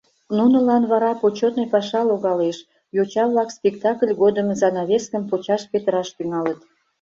Нунылан вара почетный паша логалеш: йоча-влак спектакль годым занавескым почаш-петыраш тӱҥалыт.